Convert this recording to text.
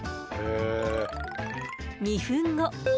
２分後。